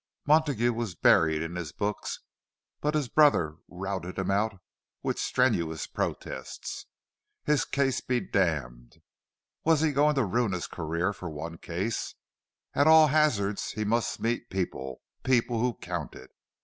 Montague was buried in his books, but his brother routed him out with strenuous protests. His case be damned—was he going to ruin his career for one case? At all hazards, he must meet people—"people who counted."